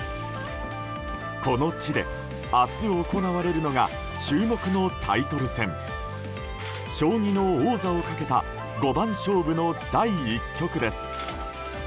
この地で明日行われるのが注目のタイトル戦将棋の王座をかけた五番勝負の第１局です。